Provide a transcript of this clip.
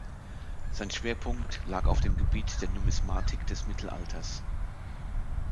Sein Schwerpunkt lag auf dem Gebiet der Numismatik des Mittelalters.